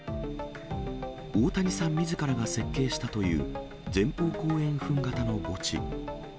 大谷さんみずからが設計したという前方後円墳型の墓地。